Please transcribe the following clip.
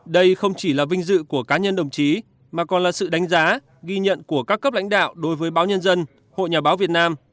đây không chỉ là vinh dự của cá nhân đồng chí mà còn là sự đánh giá ghi nhận của các cấp lãnh đạo đối với báo nhân dân hội nhà báo việt nam